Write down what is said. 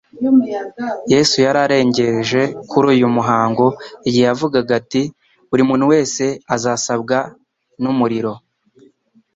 Yesu yari arengereje kuri uyu muhango igihe yavugaga ati: « Buri muntu wese azasabwa n'umuriro.